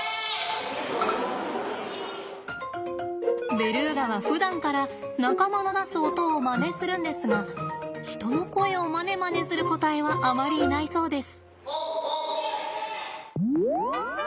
ベルーガはふだんから仲間の出す音をまねするんですが人の声をまねまねする個体はあまりいないそうです。